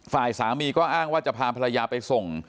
ฝ่ายสามีก็อ้างว่าจะพาภรรยาไปส่ง